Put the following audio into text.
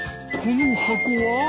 この箱は。